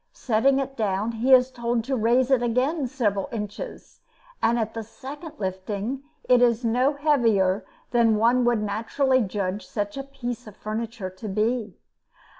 Setting it down, he is told to raise it again several inches; and at the second lifting it is no heavier than one would naturally judge such a piece of furniture to be.